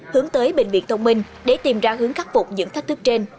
hướng tới bệnh viện thông minh để tìm ra hướng khắc phục những thách thức trên